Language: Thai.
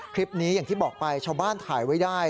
คลิปนี้อย่างที่บอกไปชาวบ้านถ่ายไว้ได้